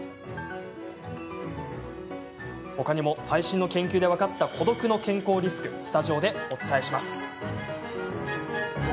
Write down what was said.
ほかにも最新の研究で分かった孤独の健康リスクはスタジオでお伝えします。